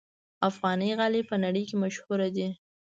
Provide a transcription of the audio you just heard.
افغاني غالۍ په نړۍ کې مشهوره ده.